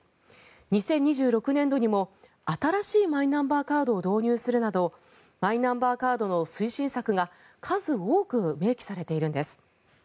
２０２６年度にも新しいマイナンバーカードを導入するなどマイナンバーカードの推進策が数多く明記されているんです。